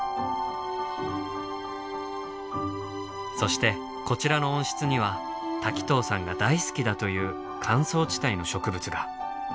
そしてこちらの温室には滝藤さんが大好きだという乾燥地帯の植物が。